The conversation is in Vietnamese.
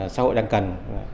xã hội đang cần